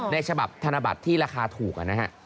ฉบับธนบัตรที่ราคาถูกนะฮะ